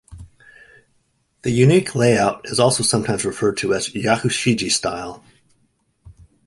The unique layout is also sometimes referred to as "yakushiji-style".